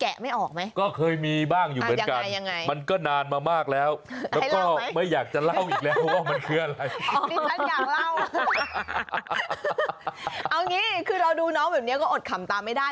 เอาอย่างนี้คือเราดูน้องแบบนี้ก็อดขำตามไม่ได้